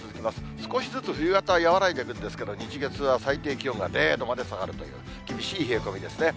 少しずつ冬型は和らいでいくんですけど、日、月は最低気温が０度まで下がるという厳しい冷え込みですね。